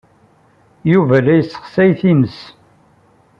Yuba la yessexsay times.